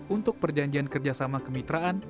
untuk perjanjian kerjasama kemitraan